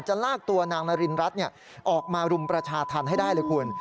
ลากตัวนางนารินรัฐออกมารุมประชาธรรมให้ได้เลยคุณ